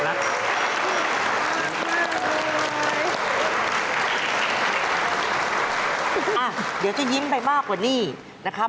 เดี๋ยวจะยิ้มไปมากกว่านี้นะครับ